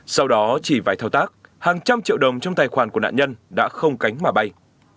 sau đó chỉ vài thao tác hàng trăm triệu đồng trong tài khoản của nạn nhân đã không cánh mà bay